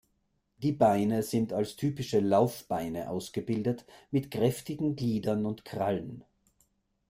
Die Beine sind als typische Laufbeine ausgebildet, mit kräftigen Gliedern und Krallen.